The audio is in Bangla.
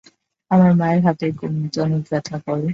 আমার মায়ের হাতের কনুইতে অনেক ব্যথা করে।